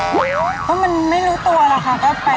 เพราะมันไม่รู้ตัวหรอกค่ะ